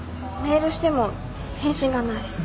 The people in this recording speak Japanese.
メールしても返信がない。